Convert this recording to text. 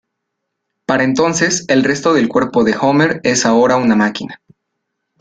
Para entonces, el resto del cuerpo de Homer es ahora una máquina.